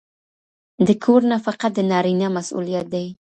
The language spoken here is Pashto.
د کور نفقه د نارینه مسوولیت دی.